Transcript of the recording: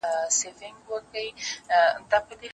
لا ترڅو به زلمي وژنو لا تر څو به مړي ستایو